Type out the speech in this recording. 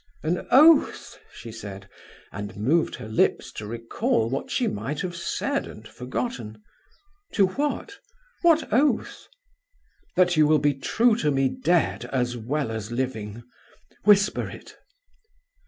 "An oath?" she said, and moved her lips to recall what she might have said and forgotten. "To what? what oath?" "That you will be true to me dead as well as living! Whisper it."